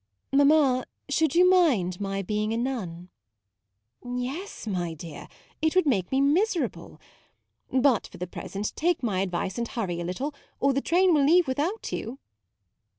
Mam ma, should you mind my being a nun?" tc Yes, my dear, it would make me miserable. But for the present take my advice and hurry a little, or the train will leave without you.